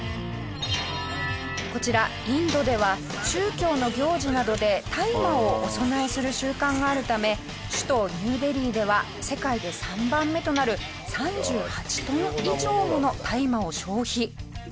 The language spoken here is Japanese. こちらインドでは宗教の行事などで大麻をお供えする習慣があるため首都ニューデリーでは世界で３番目となる３８トン以上もの大麻を消費。